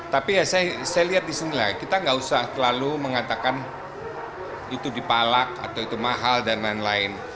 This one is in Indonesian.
tapi ya saya lihat di sini lah kita nggak usah terlalu mengatakan itu dipalak atau itu mahal dan lain lain